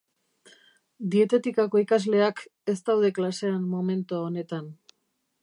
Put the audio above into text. Dietetikako ikasleak ez daude klasean momento honetan